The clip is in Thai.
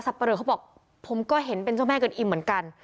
ปะเลอเขาบอกผมก็เห็นเป็นเจ้าแม่กวนอิ่มเหมือนกัน